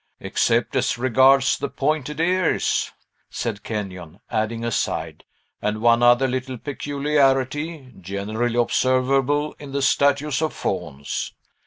"Except as regards the pointed ears," said Kenyon; adding, aside, "and one other little peculiarity, generally observable in the statues of fauns."